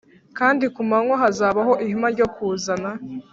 Kandi ku manywa hazabaho ihema ryo kuzana